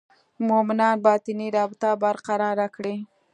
مومنان باطني رابطه برقراره کړي.